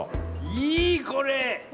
いいこれ！